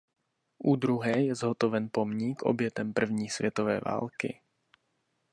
U druhé je zhotoven pomník obětem první světové války.